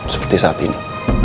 seperti saat ini